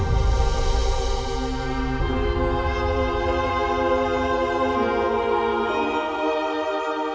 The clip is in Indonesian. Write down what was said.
aku mencintai putriku